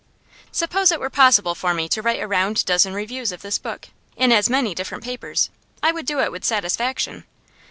Suppose it were possible for me to write a round dozen reviews of this book, in as many different papers, I would do it with satisfaction.